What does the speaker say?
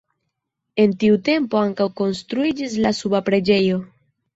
En tiu tempo ankaŭ konstruiĝis la suba preĝejo.